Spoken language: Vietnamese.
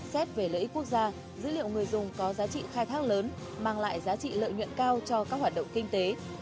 xét về lợi ích quốc gia dữ liệu người dùng có giá trị khai thác lớn mang lại giá trị lợi nhuận cao cho các hoạt động kinh tế